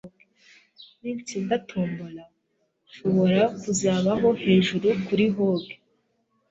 Ninsinda tombola, nzashobora kubaho hejuru kuri hog.